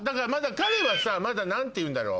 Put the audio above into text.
彼はまだ何ていうんだろう。